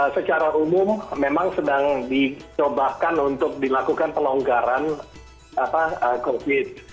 secara umum memang sedang dicobakan untuk dilakukan pelonggaran covid